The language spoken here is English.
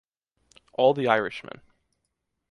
All the Irishmen.